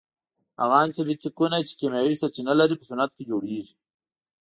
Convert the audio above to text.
هغه انټي بیوټیکونه چې کیمیاوي سرچینه لري په صنعت کې جوړیږي.